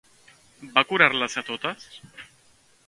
Va curar-les a totes?